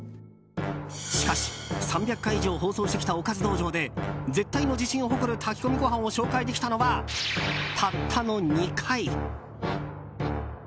しかし３００回以上放送してきたおかず道場で絶対の自信を誇る炊き込みご飯を紹介できたのはたったの２回。